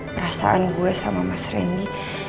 perasaan gue sama mas randy